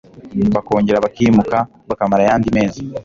bakongera bakimuka, bakamara ayandi mezi